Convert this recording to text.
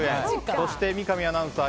そして三上アナウンサー